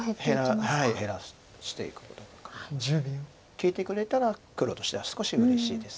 利いてくれたら黒としては少しうれしいです。